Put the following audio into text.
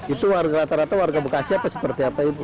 itu warga rata rata warga bekasi apa seperti apa itu